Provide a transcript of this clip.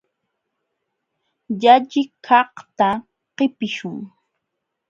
Llalliqkaqta qipiśhun.